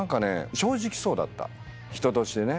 正直そうだった人としてね。